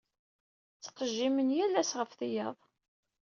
Ttqejjimen yal ass ɣef tiyaḍ.